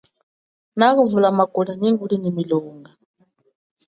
Nakuvulama kulia nyi nguli nyi milimo.